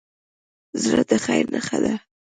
زړه د خیر نښه ده.